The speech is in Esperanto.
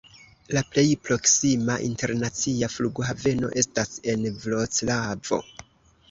La plej proksima internacia flughaveno estas en Vroclavo.